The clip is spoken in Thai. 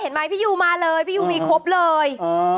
เห็นไหมพี่ยูมาเลยพี่ยูมีครบเลย